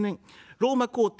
ローマ皇帝